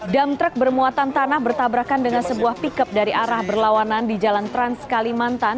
dam truk bermuatan tanah bertabrakan dengan sebuah pickup dari arah berlawanan di jalan trans kalimantan